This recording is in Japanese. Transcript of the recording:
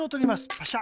パシャ。